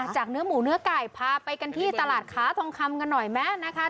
เนื้อหมูเนื้อไก่พาไปกันที่ตลาดค้าทองคำกันหน่อยไหมนะคะ